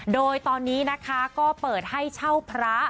โดยตอนนี้นะคะก็เปิดให้เช่าพระ